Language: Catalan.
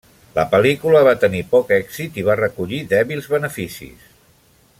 La pel·lícula va tenir poc èxit i va recollir dèbils beneficis.